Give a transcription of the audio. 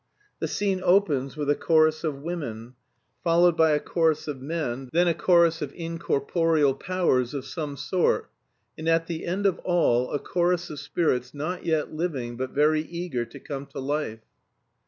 The scene opens with a chorus of women, followed by a chorus of men, then a chorus of incorporeal powers of some sort, and at the end of all a chorus of spirits not yet living but very eager to come to life.